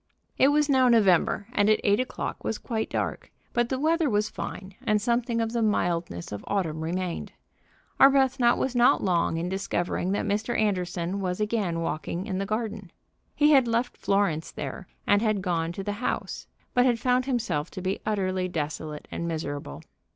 It was now November, and at eight o'clock was quite dark, but the weather was fine, and something of the mildness of autumn remained. Arbuthnot was not long in discovering that Mr. Anderson was again walking in the garden. He had left Florence there and had gone to the house, but had found himself to be utterly desolate and miserable.